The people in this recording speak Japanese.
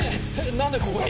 何でここに？